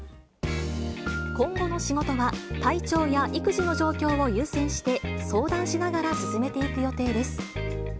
今後の仕事は、体調や育児の状況を優先して、相談しながら進めていく予定です。